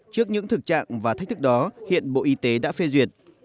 trước những thực trạng và thách thức đó hiện bộ y tế đã phê duyệt